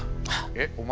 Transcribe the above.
えっお前